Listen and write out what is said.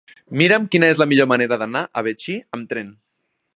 Mira'm quina és la millor manera d'anar a Betxí amb tren.